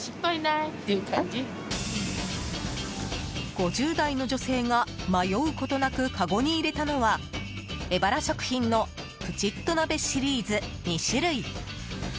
５０代の女性が迷うことなくかごに入れたのはエバラ食品のプチッと鍋シリーズ、２種類。